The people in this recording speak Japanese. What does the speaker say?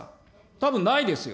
たぶんないですよ。